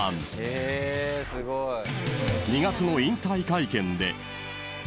［２月の引退会見で］